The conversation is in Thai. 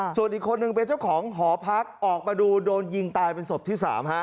ส่วนอีกคนนึงเป็นเจ้าของหอพักออกมาดูโดนยิงตายเป็นศพที่๓